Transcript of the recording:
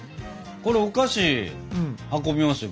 これお菓子運びますよ